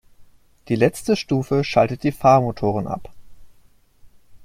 Die letzte Stufe schaltet die Fahrmotoren ab.